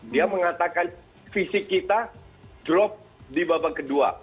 dia mengatakan fisik kita drop di babak kedua